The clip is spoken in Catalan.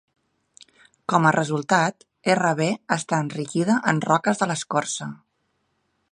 Com a resultat, RB està enriquida en roques de l'escorça.